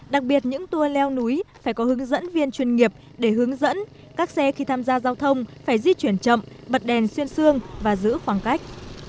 đặc biệt những tour leo núi phải có hướng dẫn viên chuyên nghiệp để hướng dẫn các xe khi tham gia giao thông phải di chuyển chậm bật đèn xuyên xương và giữ khoảng cách